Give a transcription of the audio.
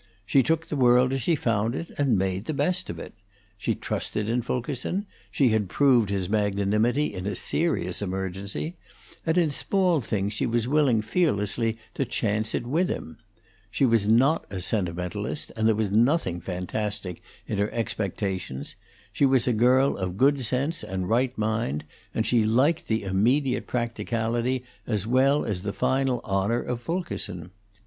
She took the world as she found it, and made the best of it. She trusted in Fulkerson; she had proved his magnanimity in a serious emergency; and in small things she was willing fearlessly to chance it with him. She was not a sentimentalist, and there was nothing fantastic in her expectations; she was a girl of good sense and right mind, and she liked the immediate practicality as well as the final honor of Fulkerson.